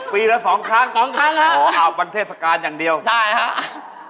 ปีละสองครั้งอ๋ออาบวันเทศกาลอย่างเดียวใช่ครับ